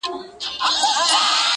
د نورو ماناګانو په ترکيب